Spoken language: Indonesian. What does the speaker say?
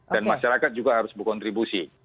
dan masyarakat juga harus berkontribusi